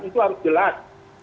itu harus jelas